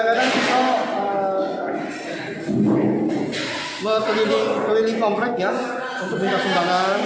keliling komplek ya untuk minta sumbangan